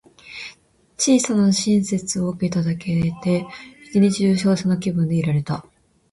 小さな親切を受けただけで、一日中幸せな気分でいられた。